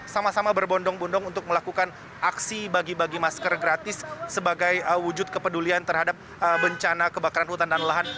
sama sama berbondong bondong untuk melakukan aksi bagi bagi masker gratis sebagai wujud kepedulian terhadap bencana kebakaran hutan dan lahan